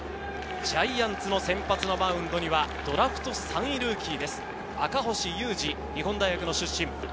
ジャイアンツの先発のマウンドにはドラフト３位ルーキーです、赤星優志、日本大学の出身。